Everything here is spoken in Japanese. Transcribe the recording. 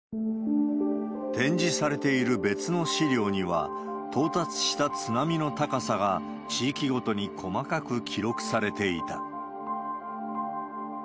展示されている別の史料には、到達した津波の高さが地域ごとに細かく記録されていた。